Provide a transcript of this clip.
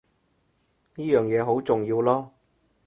呢樣嘢好重要囉